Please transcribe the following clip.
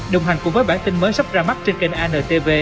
đồng hành cùng với bản tin mới sắp ra mắt trên kênh an tv